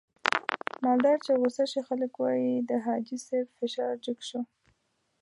مالدار چې غوسه شي خلک واي د حاجي صاحب فشار جګ شو.